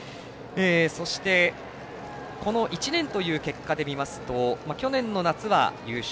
そして、この１年という結果で見ますと去年の夏は優勝。